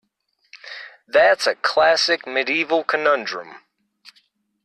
That's a classic medieval conundrum.